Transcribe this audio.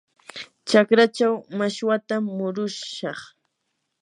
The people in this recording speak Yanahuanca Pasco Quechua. chakraachaw mashwatam murushaq.